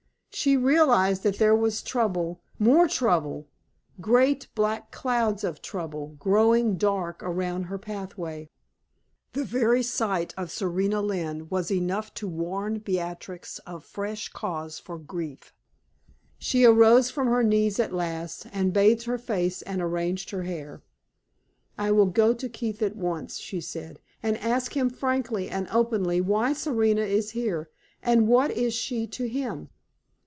She realized that there was trouble more trouble great, black clouds of trouble, growing dark around her pathway. The very sight of Serena Lynne was enough to warn Beatrix of fresh cause for grief. She arose from her knees at last and bathed her face and arranged her hair. "I will go to Keith at once," she said, "and ask him frankly and openly why Serena is here, and what is she to him?"